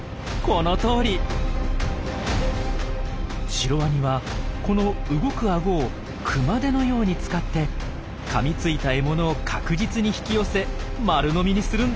シロワニはこの動くアゴを熊手のように使ってかみついた獲物を確実に引き寄せ丸飲みにするんです。